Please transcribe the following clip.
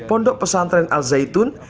pondok pesantren al zaitun